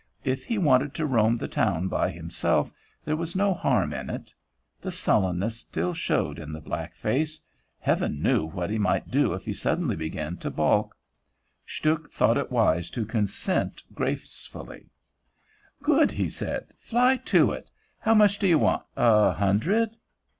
If he wanted to roam the town by himself, there was no harm in it. The sullenness still showed in the black face; Heaven knew what he might do if he suddenly began to balk. Stuhk thought it wise to consent gracefully. "Good!" he said. "Fly to it. How much do you want? A hundred?"